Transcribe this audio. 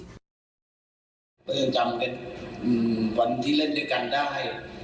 ก็ยังจำเป็นวันที่เล่นด้วยกันได้